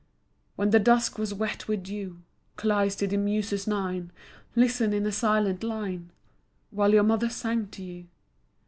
When the dusk was wet with dew, Cleis, did the muses nine Listen in a silent line While your mother sang to you?